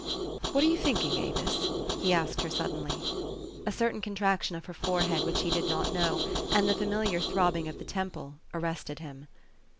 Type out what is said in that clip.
u What are you thinking, Avis?" he asked her suddenly. A certain contraction of her forehead which he did not know, and the familiar throbbing of the temple, arrested him.